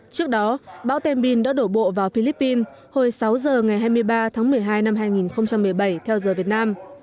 trước đó bão tembin đã đổ bộ vào philippines hồi sáu giờ ngày hai mươi ba tháng một mươi hai năm hai nghìn một mươi một